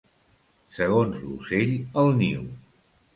Segons l'ocell, el niu.